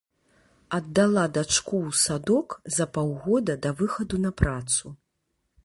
Аддала дачку ў садок за паўгода да выхаду на працу.